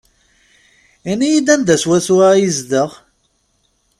Ini-yi-d anda swaswa i yezdeɣ.